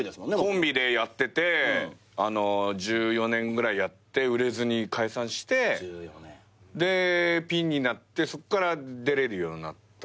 コンビでやってて１４年ぐらいやって売れずに解散してでピンになってそっから出れるようになったんで。